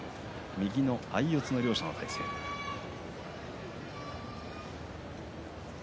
右の相四つの両者です。